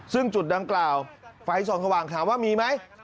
ซึ่งจุดดังกล่าวไฟส่องสว่างถามว่ามีไหม